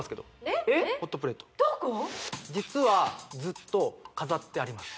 実はずっと飾ってあります